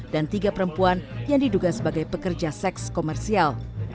dan tiga perempuan yang diduga sebagai pekerja seks komersial